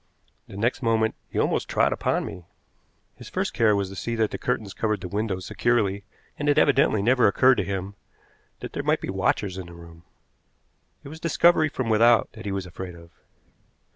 The next moment he almost trod upon me. His first care was to see that the curtains covered the windows securely, and it evidently never occurred to him that there might be watchers in the room. It was discovery from without that he was afraid of.